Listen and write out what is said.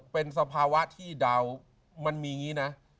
เป็นสภาวะที่ดาวมันมีอย่างนี้นะ